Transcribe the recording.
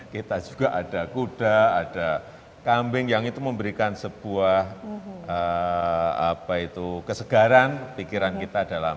kita juga ada kuda ada kambing yang itu memberikan sebuah kesegaran pikiran kita dalam